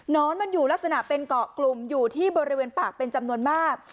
นอนมันอยู่ลักษณะเป็นเกาะกลุ่มอยู่ที่บริเวณปากเป็นจำนวนมาก